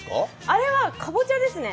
あれはかぼちゃですね。